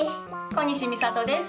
小西美里です。